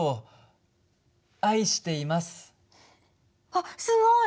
あっすごい！